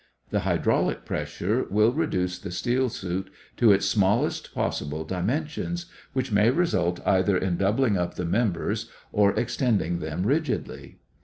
The hydraulic pressure will reduce the steel suit to its smallest possible dimensions, which may result either in doubling up the members or extending them rigidly.